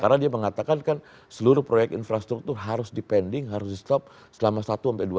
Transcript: karena dia mengatakan kan seluruh proyek infrastruktur harus dipending harus di stop selama satu sampai dua bulan